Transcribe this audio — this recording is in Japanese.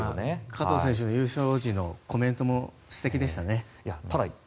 加藤選手の優勝時のコメントも素敵でしたね。